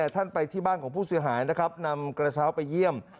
ท่านไปที่บ้านของผู้เสียหายนะครับนำกระเช้าไปเยี่ยม